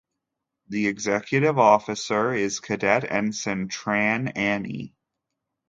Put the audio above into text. The Executive Officer is Cadet Ensign Tran, Annie.